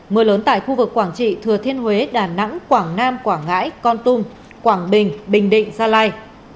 mưa lớn tại khu vực quảng trị thừa thiên huế đà nẵng quảng nam quảng ngãi con tum quảng bình bình định gia lai